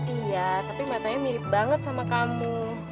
iya tapi matanya mirip banget sama kamu